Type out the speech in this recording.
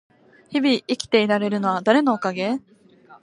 日々生きられているのは誰のおかげ？